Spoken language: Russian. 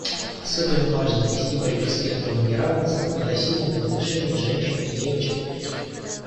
Особенно важно вести борьбу с гендерным неравенством и насилием в отношении женщин и девочек.